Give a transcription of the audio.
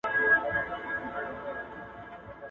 موږ مخکي زده کړې وې.